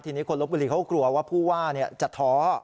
ทีนี้คนลบบุรีเขากลัวว่าผู้ว่าจะท้อ